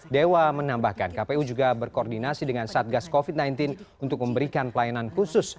dewa menambahkan kpu juga berkoordinasi dengan satgas covid sembilan belas untuk memberikan pelayanan khusus